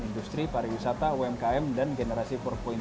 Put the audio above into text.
industri pariwisata umkm dan generasi empat